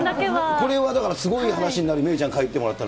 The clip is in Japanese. これはすごい話になる、芽生ちゃん描いてもらったら。